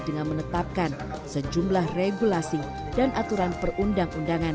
dengan menetapkan sejumlah regulasi dan aturan perundang undangan